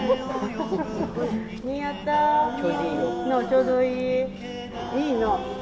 ちょうどいい。いいの。